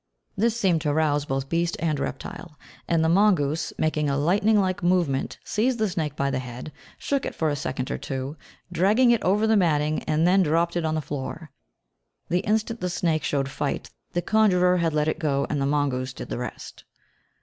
This seemed to rouse both beast and reptile, and the mongoose, making a lightning like movement, seized the snake by the head, shook it for a second or two, dragging it over the matting, and then dropped it on the floor. The instant the snake showed fight the conjurer had let it go, and the mongoose did the rest.